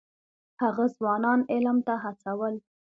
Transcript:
هغه ځوانان علم ته هڅول.